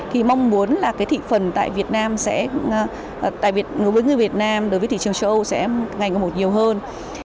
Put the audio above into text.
khi mong muốn là cái thị phần tại việt nam sẽ với người việt nam đối với thị trường châu âu sẽ ngành có một nhiều hơn